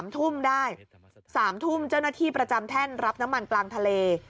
๓ทุ่มได้๓ทุ่มเจ้าหน้าที่ประจำแท่นรับน้ำมันกลางทะเล